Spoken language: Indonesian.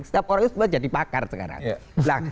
setiap orang itu semua jadi pakar sekarang